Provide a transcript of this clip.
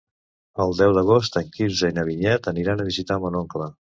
El deu d'agost en Quirze i na Vinyet aniran a visitar mon oncle.